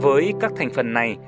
với các thành phần này